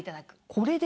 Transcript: これで？